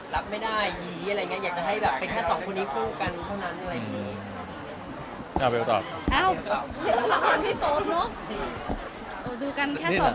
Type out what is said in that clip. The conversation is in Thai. แสวได้ไงของเราก็เชียนนักอยู่ค่ะเป็นผู้ร่วมงานที่ดีมาก